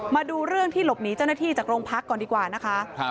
มาดูเรื่องที่หลบหนีเจ้าหน้าที่จากโรงพักก่อนดีกว่านะคะ